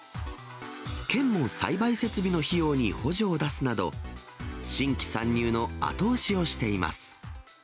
県も栽培設備の費用に補助を出すなど、新規参入の後押しをしています。